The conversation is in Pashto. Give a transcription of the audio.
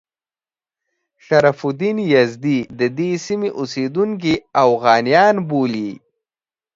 شرف الدین یزدي د دې سیمې اوسیدونکي اوغانیان بولي.